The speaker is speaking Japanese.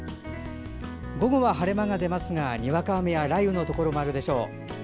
午後は晴れ間が出ますがにわか雨や雷雨のところもあるでしょう。